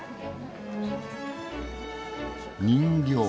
人形。